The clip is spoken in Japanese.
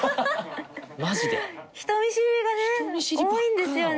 人見知りがね多いんですよね。